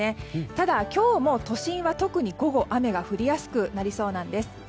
ただ今日も都心は特に午後雨が降りやすくなりそうです。